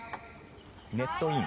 ネットイン。